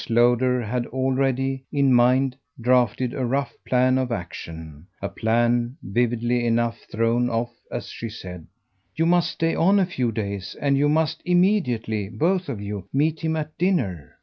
Lowder had already, in mind, drafted a rough plan of action, a plan vividly enough thrown off as she said: "You must stay on a few days, and you must immediately, both of you, meet him at dinner."